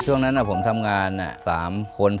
ช่วงนั้นผมทำงาน๓คน